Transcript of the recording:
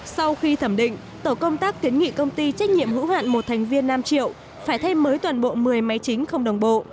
sau khi thẩm định tổ công tác kiến nghị công ty trách nhiệm hữu hạn một thành viên nam triệu phải thay mới toàn bộ một mươi máy chính không đồng bộ